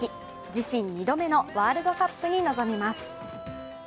自身２度目のワールドカップに臨みます。